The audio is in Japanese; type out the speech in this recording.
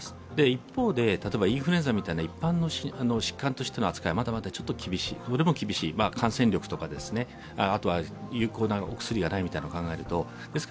一方で、例えばインフルエンザみたいな一般の疾患としての扱いはまだまだちょっと厳しい感染力とか有効なお薬がないみたいなことを考えると。